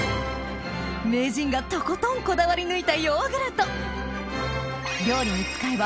名人がとことんこだわり抜いたヨーグルト